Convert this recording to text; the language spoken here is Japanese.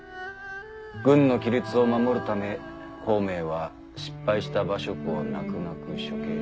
軍の規律を守るため孔明は失敗した馬謖を泣く泣く処刑した。